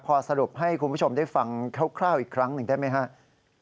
พอสรุปให้คุณผู้ชมได้ฟังคร่าวอีกครั้งหนึ่งได้ไหมครับ